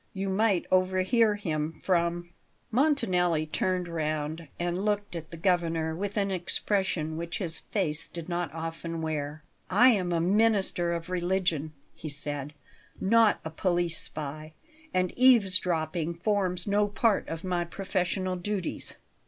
You might overhear him from " Montanelli turned round and looked at the Governor with an expression which his face did not often wear. "I am a minister of religion," he said; "not a police spy; and eavesdropping forms no part of my professional duties."